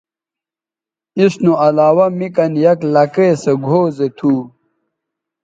اس نو علاوہ می کن یک لکئے سوگھؤ زو تھو